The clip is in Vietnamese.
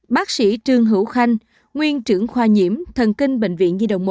bác sĩ trương hữu khanh nguyên trưởng khoa nhiễm thần kinh bệnh viện di đồng một